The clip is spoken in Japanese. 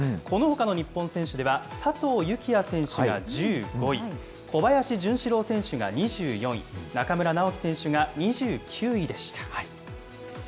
このほかの日本選手では、佐藤幸椰選手が１５位、小林潤志郎選手が２４位、中村直幹選手が２９位でした。